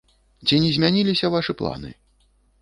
Ці не змяніліся вашы планы?